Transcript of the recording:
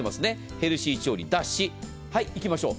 ヘルシー調理脱脂、いきましょう。